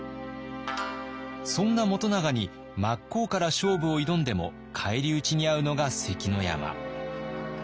そんな元長に真っ向から勝負を挑んでも返り討ちに遭うのが関の山。